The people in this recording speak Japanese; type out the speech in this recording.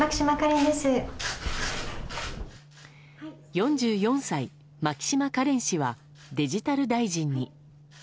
４４歳、牧島かれん氏はデジタル大臣に。